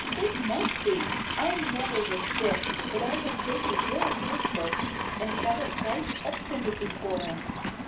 "It must be! I never was sick, but I have taken care of sick folks, and have a sight of sympathy for 'em.